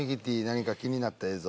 何か気になった映像